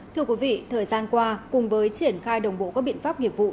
thưa quý vị thời gian qua cùng với triển khai đồng bộ các biện pháp nghiệp vụ